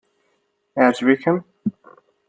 Yeɛjeb-ikem?